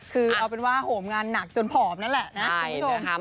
คือเอาเป็นว่าโหมงานหนักจนผอมนั่นแหละนะคุณผู้ชม